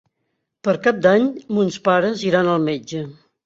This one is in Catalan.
Per Cap d'Any mons pares iran al metge.